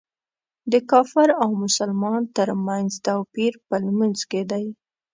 د کافر او مسلمان تر منځ توپیر په لمونځ کې دی.